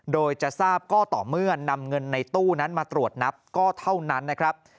โดยจะทราบก็ต่อเมื่อนำเงินในตู้นั้นมาตรวจนับก็เท่านั้นนะครับ